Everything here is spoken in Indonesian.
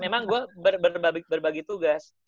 memang gue berbagi tugas